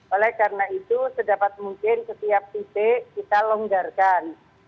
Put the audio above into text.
oleh karena itu sedapat mungkin setiap titik kita longgarkan